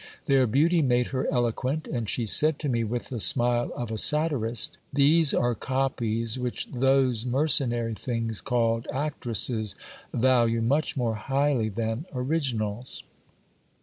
Their beauty made her eloquent ; and she said to me with the smile of a satirist — These are copies which those mercenary things called actresses value much more highly than originals.